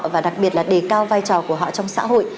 và đặc biệt là đề cao vai trò của họ trong xã hội